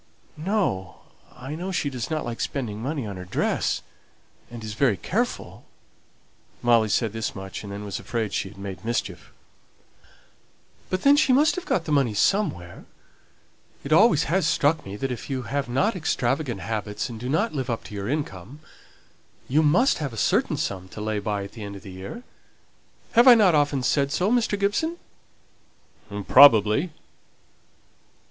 "No. I know she doesn't like spending money on her dress, and is very careful." Molly said this much, and then was afraid she had made mischief. "But then she must have got the money somewhere. It always has struck me that if you have not extravagant habits, and do not live up to your income, you must have a certain sum to lay by at the end of the year. Have I not often said so, Mr. Gibson?" "Probably."